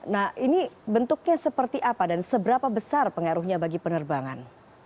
nah ini bentuknya seperti apa dan seberapa besar pengaruhnya bagi penerbangan